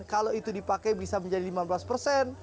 kalau itu dipakai bisa menjadi lima belas persen